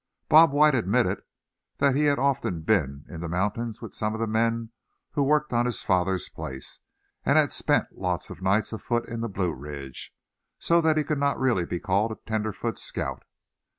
Bob White admitted that he had often been in the mountains with some of the men who worked on his father's place, and had spent lots of nights afoot in the Blue Ridge; so that he could not really be called a "tenderfoot scout."